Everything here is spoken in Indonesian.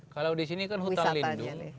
kalau di sini kan hutan lindung